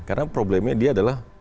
karena problemnya dia adalah